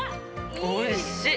おいしっ！